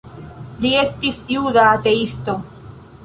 Li estis juda ateisto.